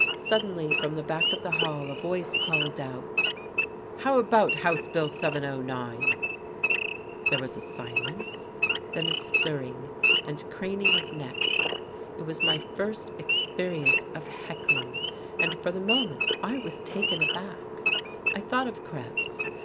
Suddenly, from the back of the hall, a voice called out: "How about House Bill 709?" There was a silence, then a stirring and craning of necks. It was my first experience of heckling, and for the moment I was taken aback. I thought of Krebs.